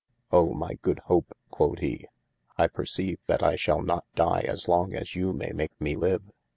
Oh my good Hope (quod he) I per ceive that I shall not dye as long as you maye make me live.